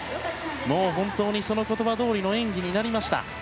もう本当にその言葉どおりの演技になりました。